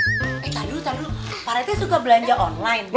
eh tada dulu tada dulu parate suka belanja online